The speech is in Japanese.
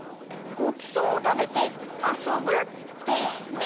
ごちそうをたべてあそぶってね。